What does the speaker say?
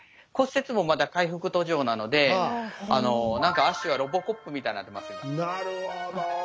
骨折もまだ回復途上なので何か足はロボコップみたいになってます